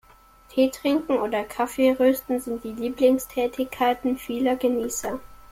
Teetrinken oder Kaffeerösten sind die Lieblingstätigkeiten vieler Genießer.